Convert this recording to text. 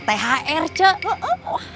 enak banget ya cucu